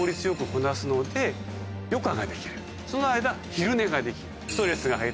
その間昼寝ができる。